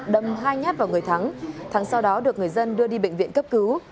đâm hai nhát vào người thắng thắng sau đó được người dân đưa đi bệnh viện cấp cứu